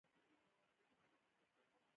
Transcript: ښتې د افغانستان په اوږده تاریخ کې ذکر شوی دی.